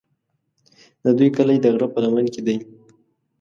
د دوی کلی د غره په لمن کې دی.